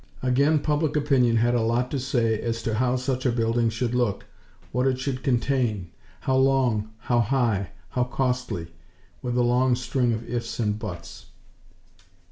Again public opinion had a lot to say as to how such a building should look, what it should contain; how long, how high, how costly; with a long string of ifs and buts.